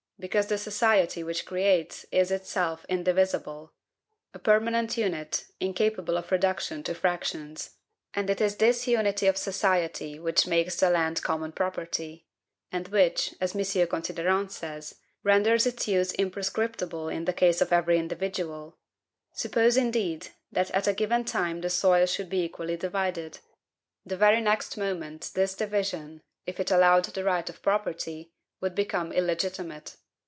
Because the society which creates is itself indivisible, a permanent unit, incapable of reduction to fractions. And it is this unity of society which makes the land common property, and which, as M. Considerant says, renders its use imprescriptible in the case of every individual. Suppose, indeed, that at a given time the soil should be equally divided; the very next moment this division, if it allowed the right of property, would become illegitimate.